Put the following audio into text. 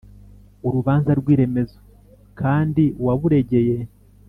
urubanza rw iremezo kandi uwaburegeye